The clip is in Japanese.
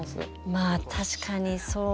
まあ確かにそうですね。